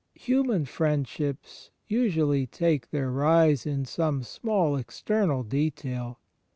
Human friendships usually take their rise in some small external detail.